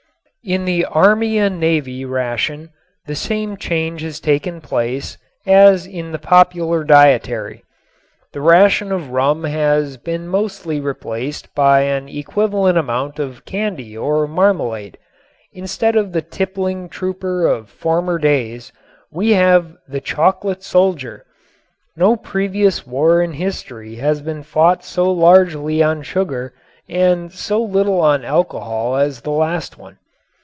In the army and navy ration the same change has taken place as in the popular dietary. The ration of rum has been mostly replaced by an equivalent amount of candy or marmalade. Instead of the tippling trooper of former days we have "the chocolate soldier." No previous war in history has been fought so largely on sugar and so little on alcohol as the last one.